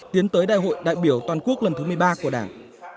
tiến tới đại hội đại biểu toàn quốc lần thứ một mươi ba của đảng